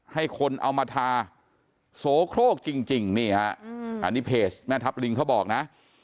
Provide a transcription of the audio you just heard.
ให้คนเอามาทาโสโครกจริงนี่ฮะอันนี้เพจแม่ทัพลิงเขาบอกนะ